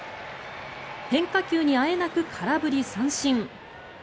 変化球にあえなく空振り三振。